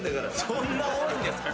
そんな多いんですか？